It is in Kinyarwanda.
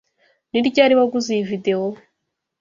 Ni ryari waguze iyi video?